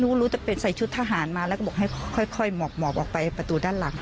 รู้จะเป็นใส่ชุดทหารมาแล้วก็บอกให้ค่อยหมอบออกไปประตูด้านหลัง